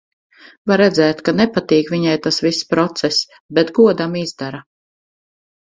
Var redzēt, ka nepatīk viņai tas viss process, bet godam izdara.